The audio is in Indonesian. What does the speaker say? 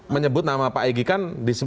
menyebut nama pak egy kan